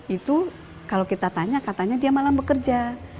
itu kalau kita tanya katanya dia malam bekerja